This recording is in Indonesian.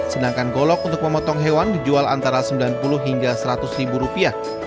sedangkan golok untuk memotong hewan dijual antara sembilan puluh hingga seratus ribu rupiah